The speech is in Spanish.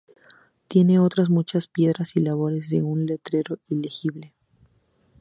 Tiene otras muchas piedras y labores y un letrero ilegible".